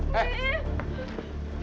jangan kasar sama aku